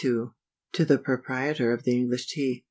_To the Proprietor of the English Tea.